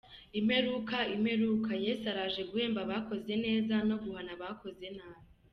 imperuka imperuka! Yesu araje guhemba abakoze neza no guhana abakoze nabi.